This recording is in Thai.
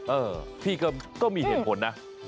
เออพี่ก็มีเหตุผลนะ